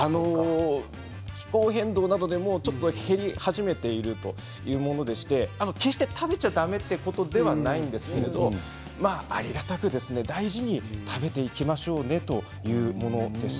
気候変動などでも、ちょっと減り始めているというものでして決して食べちゃだめということではないんですけれどありがたく大事に食べていきましょうねというものです。